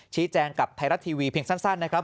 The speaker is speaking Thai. ชี้แจงกับไทยรัฐทีวีเพียงสั้นนะครับ